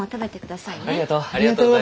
ありがとう。